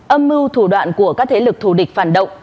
âm mưu thủ đoạn của các thế lực thù địch phản động